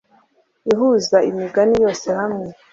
ihuza imigani yose hamwe